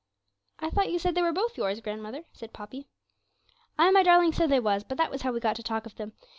'I thought you said they were both yours, grandmother,' said Poppy. 'Ay, my darling, so they was; but that was how we got to talk of them.